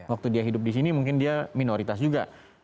waktu dia hidup di sini mungkin dia minoritas juga